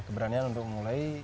keberanian untuk mulai